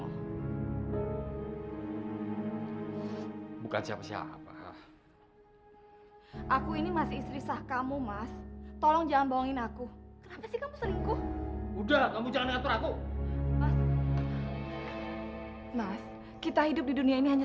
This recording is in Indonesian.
urusan materi itu gak ada saudaranya